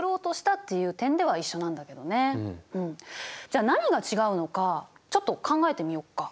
じゃ何が違うのかちょっと考えてみようか。